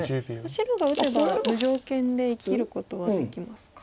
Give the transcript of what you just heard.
白が打てば無条件で生きることはできますか。